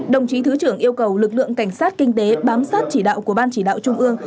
đồng chí thứ trưởng yêu cầu lực lượng cảnh sát kinh tế bám sát chỉ đạo của ban chỉ đạo trung ương